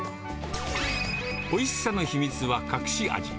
おいしさの秘密は隠し味。